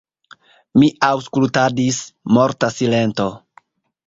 Mi aŭskultadis – morta silento.